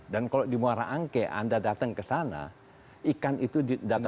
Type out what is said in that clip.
dan kalau di muara anke anda bisa menangkap ikan di luar dari teluk jakarta